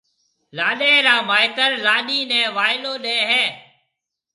لاڏيَ را مائيتر لاڏيِ نَي وائلو ڏَي هيَ